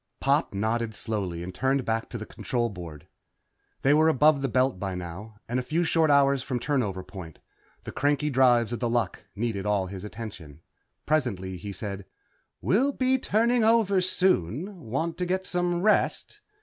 Pop nodded slowly and turned back to the control board. They were above the Belt by now, and a few short hours from turnover point. The cranky drives of The Luck needed all his attention. Presently he said, "We'll be turning over soon. Want to get some rest?"